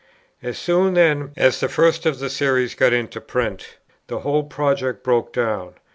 As soon then as the first of the Series got into print, the whole project broke down.